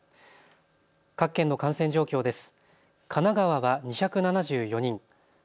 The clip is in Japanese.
各県の感染状況です。